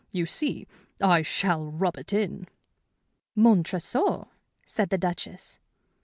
You see, I shall rub it in." "Montresor?" said the Duchess.